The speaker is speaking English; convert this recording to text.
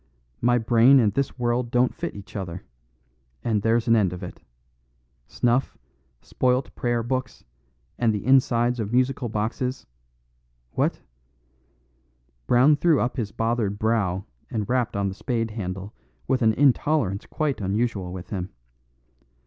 "My brain and this world don't fit each other; and there's an end of it. Snuff, spoilt Prayer Books, and the insides of musical boxes what " Brown threw up his bothered brow and rapped on the spade handle with an intolerance quite unusual with him.